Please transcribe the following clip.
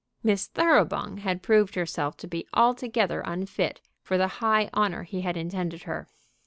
Miss Thoroughbung had proved herself to be altogether unfit for the high honor he had intended her.